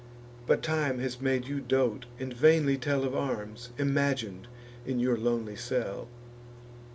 But time has made you dote, and vainly tell Of arms imagin'd in your lonely cell.